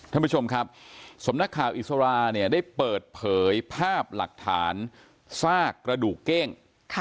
ท่านผู้ชมครับสำนักข่าวอิสราเนี่ยได้เปิดเผยภาพหลักฐานซากกระดูกเก้ง